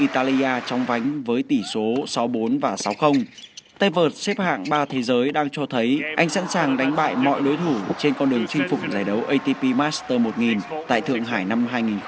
tay vợt xếp hạng ba thế giới đang cho thấy anh sẵn sàng đánh bại mọi đối thủ trên con đường chinh phục giải đấu atp master một nghìn tại thượng hải năm hai nghìn một mươi chín